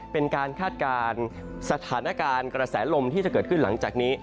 เป็นการคาดการณ์สถานการณ์กระแสลมที่จะเกิดขึ้นหลังจากนี้